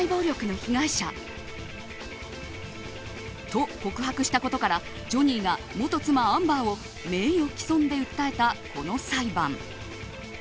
と告白したことからジョニーが元妻アンバーを名誉棄損で訴えたこの裁判。